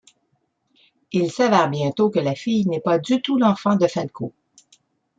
Il s'avère bientôt que la fille n'est pas du tout l'enfant de Falco.